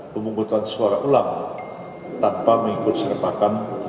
pemungkutan suara ulang tanpa mengikut sertakan